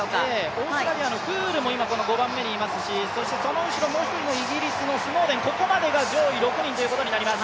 オーストラリアのフールも今、５番目にいますし、そしてその後ろ、もう１人のイギリスのスノーデン、ここまでが上位６人となります。